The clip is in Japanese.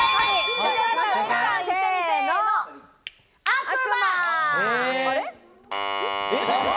悪魔。